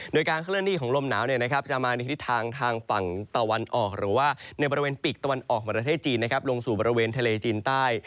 โดยการเคลื่อนที่ของลมหนาวจะมาในทิศทางทางฝั่งตะวันออกหรือว่าในบริเวณปีกตะวันออกของประเทศจีนลงสู่บริเวณทะเลจีนใต้